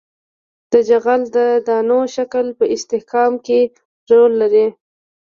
د جغل د دانو شکل په استحکام کې رول لري